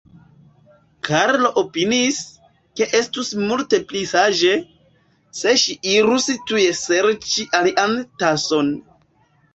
Karlo opiniis, ke estus multe pli saĝe, se ŝi irus tuj serĉi alian tason.